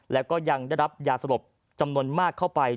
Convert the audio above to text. แล้วก็ยังได้รับยาสลบจำนวนมากเข้าไป